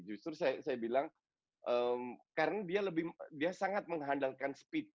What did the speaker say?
justru saya bilang karena dia sangat mengandalkan speed